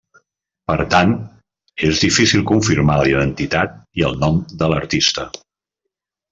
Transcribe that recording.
Per tant, és difícil confirmar la identitat i el nom de l'artista.